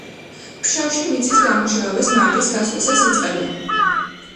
ფშავში მიწის დამუშავებას მარტის გასვლისას იწყებენ.